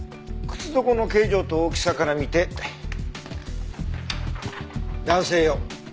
靴底の形状と大きさから見て男性用。